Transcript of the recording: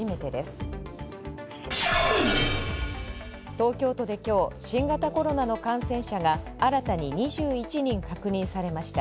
東京都できょう新型コロナの感染者が新たに２１人確認されました。